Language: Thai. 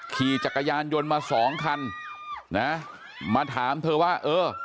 ขี่จักรยานยนต์มาสองคันนะมาถามเธอว่าเออ